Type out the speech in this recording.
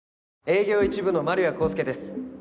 営業一部の丸谷康介です。